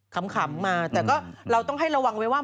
ขำมาแต่ก็เราต้องให้ระวังไว้ว่า